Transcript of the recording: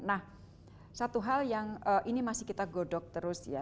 nah satu hal yang ini masih kita godok terus ya